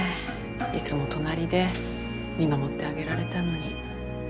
いつも隣で見守ってあげられたのに。